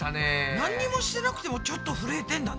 なんにもしてなくてもちょっとふるえてんだね。